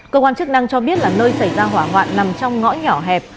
cơ quan chức năng cho biết là nơi xảy ra hỏa hoạn nằm trong ngõ nhỏ hẹp